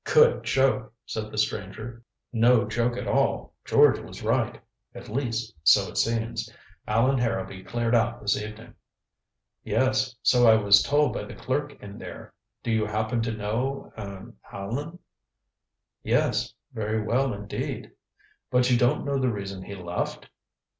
"Good joke," said the stranger. "No joke at all. George was right at least, so it seems. Allan Harrowby cleared out this evening." "Yes. So I was told by the clerk in there. Do you happen to know er Allan?" "Yes. Very well indeed." "But you don't know the reason he left?"